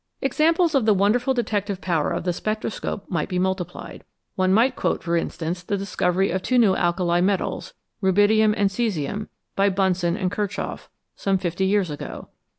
Examples of the wonderful detective power of the spectroscope might be multiplied. One might quote, for instance, the discovery of two new alkali metals, rubidium and caesium, by Bunsen and Kirchhoff, some fifty years ago.